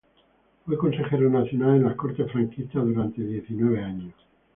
Fue consejero nacional en las Cortes franquistas durante diecinueve años.